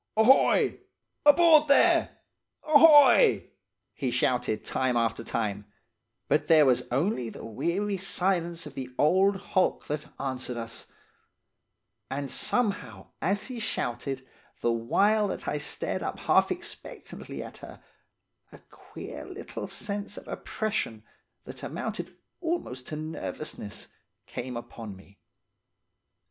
"'Ahoy! Aboard there! Ahoy!' he shouted time after time, but there was only the weary silence of the old hulk that answered us; and, somehow as he shouted, the while that I stared up half expectantly at her, a queer little sense of oppression, that amounted almost to nervousness, came upon me.